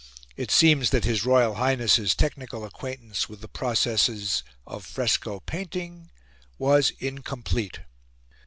It seems that His Royal Highness's technical acquaintance with the processes of fresco painting was incomplete!